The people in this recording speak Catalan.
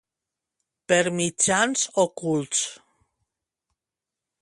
Per mitjans ocults.